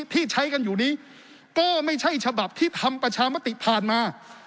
ที่ใช้กันอยู่นี้ก็ไม่ใช่ฉบับที่ทำประชามติผ่านมา